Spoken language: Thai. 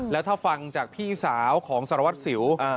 แล้วถ้าฟังจากพี่สาวของสารวัตรสิว